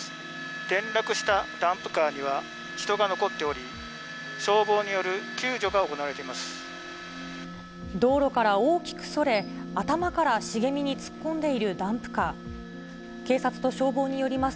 転落したダンプカーには人が残っており、消防による救助が行われています。